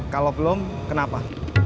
kalau belum kenapa